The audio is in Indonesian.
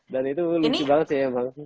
dan itu lucu banget